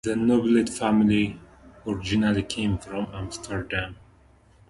The Noblet family originally came from Amsterdam.